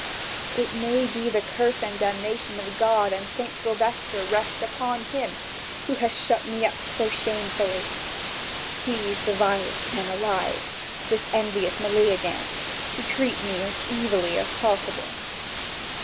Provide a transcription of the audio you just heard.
Ah, may the curse and the damnation of God and St. Sylvester rest upon him who has shut me up so shamefully! He is the vilest man alive, this envious Meleagant, to treat me as evilly as possible!"